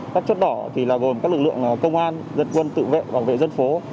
các chốt đỏ gồm các lực lượng công an dân quân tự vệ bảo vệ dân phố